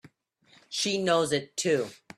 She knows it too!